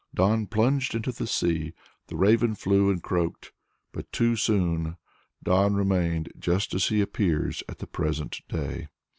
Don plunged into the sea. The raven flew and croaked but too soon. Don remained just as he appears at the present day.